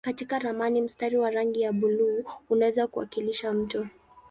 Katika ramani mstari wa rangi ya buluu unaweza kuwakilisha mto.